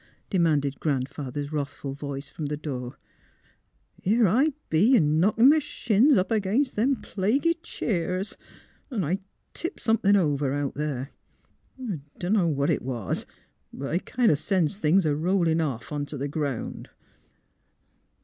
" demanded Grandfather's wrathful voice, from the door. " Here I be, a knockin' m' shins up against them plaguey cheers. 'N' I tipped over somethin' out there. Dunno what 'twas ; but I kind o ' sensed things a rollin' off ont' the' ground."